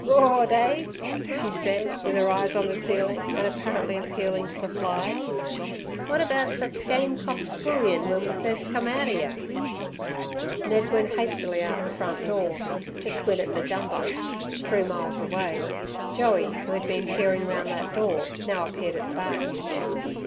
"Gawd, eh!" she said, with her eyes on the ceiling and apparently appealing to the flies. "Wot 'erbout sech game cocks bullyin' w'en we fust kem out 'ere?" Ned went hastily out at the front door "ter squint at ther jumbucks", three miles away. Joey, who had been peering round that door, now appeared at the back.